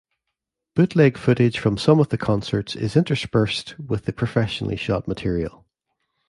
Bootleg footage from some of the concerts is interspersed with the professionally shot material.